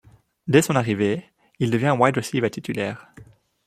Dès son arrivée, il devient wide receiver titulaire.